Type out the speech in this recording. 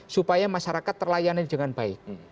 supaya masyarakat terlayani dengan baik